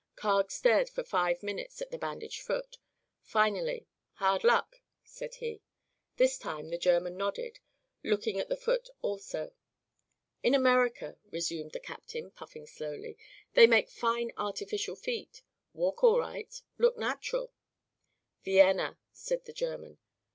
Carg stared for five minutes at the bandaged foot. Finally: "Hard luck," said he. This time the German nodded, looking at the foot also. "In America," resumed the captain, puffing slowly, "they make fine artificial feet. Walk all right. Look natural." "Vienna," said the German.